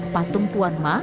patung tuan ma